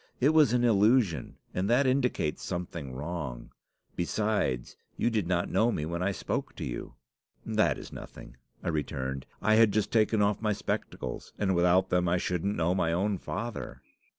It was an illusion, and that indicates something wrong. Besides, you did not know me when I spoke to you.' "'That is nothing," I returned. 'I had just taken off my spectacles, and without them I shouldn't know my own father.